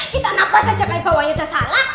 kita napas aja kayak bawahnya udah salah